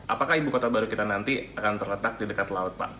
apakah ibu kota baru kita nanti akan terletak di dekat laut pak